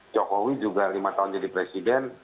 jokowi juga lima tahun jadi presiden